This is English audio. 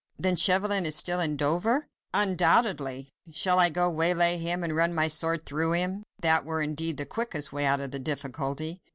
"Then Chauvelin is still in Dover?" "Undoubtedly. Shall I go waylay him and run my sword through him? That were indeed the quickest way out of the difficulty."